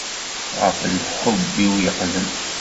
Ɣef lḥub-iw yeqdem.